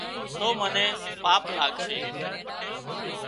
تو منين پاپ لاڳشي